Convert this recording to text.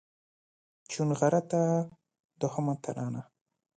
چونغرته دوهمه ترانه